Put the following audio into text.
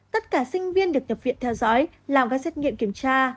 tất cả sinh viên được nhập viện theo dõi làm các xét nghiệm kiểm tra